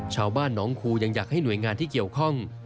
ชาวบ้านหนองคูยังอยากให้หน่วยงานที่เกี่ยวข้อง